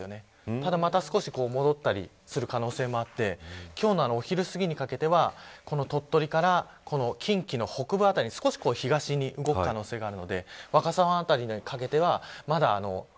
ただ、また少し戻ったりする可能性もあって今日のお昼すぎにかけてはこの鳥取から近畿の北部辺り少し東に動く可能性が出ます。